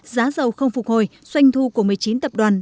giá dầu không phục hồi doanh thu của một mươi chín tập đoàn